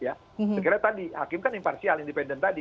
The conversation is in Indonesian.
sekarang tadi hakim kan imparsial independen tadi